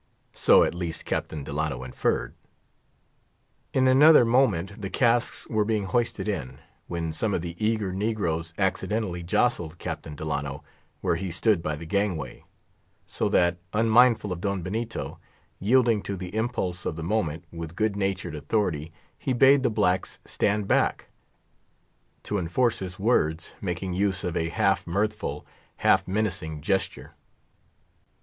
So, at least, Captain Delano inferred. In another moment the casks were being hoisted in, when some of the eager negroes accidentally jostled Captain Delano, where he stood by the gangway; so, that, unmindful of Don Benito, yielding to the impulse of the moment, with good natured authority he bade the blacks stand back; to enforce his words making use of a half mirthful, half menacing gesture.